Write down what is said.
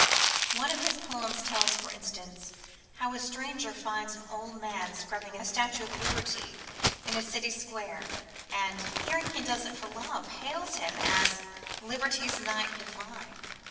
One of his poems tells, for instance, how a stranger finds an old man scrubbing a Statue of Liberty in a city square, and, hearing he does it for love, hails him as "Liberty's knight divine."